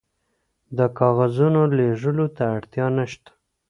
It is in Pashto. د کاغذونو لیږلو ته اړتیا نشته.